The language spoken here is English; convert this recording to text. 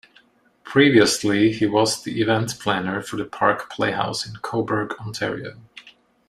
Previously he was the event planner for the Park Playhouse in Cobourg, Ontario.